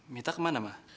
mita kemana mbak